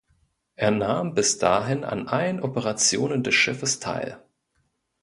Er nahm bis dahin an allen Operationen des Schiffes teil.